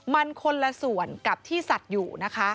มันคนละส่วนกับที่สัตว์อยู่นะคะ